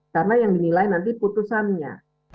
karena yang dinilai nanti putusannya